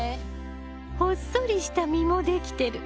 ほっそりした実もできてる。